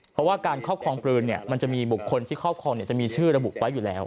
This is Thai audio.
เพราะว่าการครอบครองปืนมันจะมีบุคคลที่ครอบครองจะมีชื่อระบุไว้อยู่แล้ว